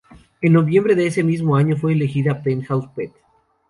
En noviembre de ese mismo año fue elegida Penthouse Pet.